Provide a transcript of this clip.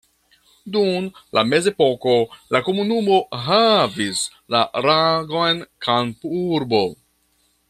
Dum la mezepoko la komunumo havis la rangon kampurbo.